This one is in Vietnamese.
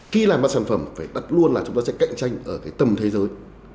khi làm mặt sản phẩm phải đặt luôn là chúng ta sẽ cạnh tranh ở tầm thế giới